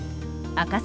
赤坂